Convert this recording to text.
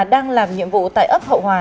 đang làm nhiệm vụ tại ấp hậu hòa